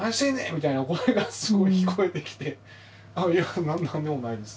みたいな声がすごい聞こえてきて何でもないです